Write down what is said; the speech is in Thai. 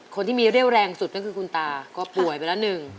คนที่มีเรี่ยวแรงสุดก็คือคุณตาก็ป่วยไปแล้วหนึ่ง